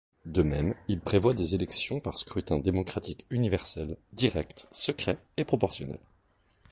De même, il prévoit des élections par scrutin démocratique universel, direct, secret et proportionnel.